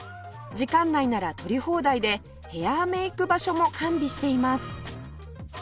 時間内なら撮り放題でヘアメイク場所も完備しています